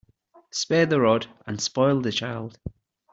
Spare the rod and spoil the child.